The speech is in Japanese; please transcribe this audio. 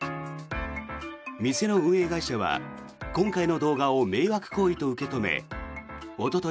店の運営会社は今回の動画を迷惑行為と受け止めおととい